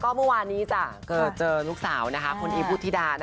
ก็เมื่อวานนี้เกิดเจอลูกสาวคุณอีบอุทิดา